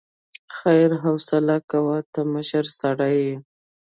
خير حوصله کوه، ته مشر سړی يې.